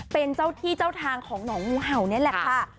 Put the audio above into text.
เป็นเจ้าที่เจ้าทางของหนองงูเห่านี่แหละค่ะ